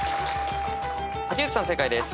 竹内さん正解です。